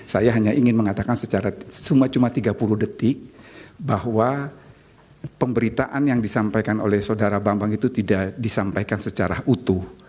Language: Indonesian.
saya hanya ingin mengatakan secara cuma cuma tiga puluh detik bahwa pemberitaan yang disampaikan oleh saudara bambang itu tidak disampaikan secara utuh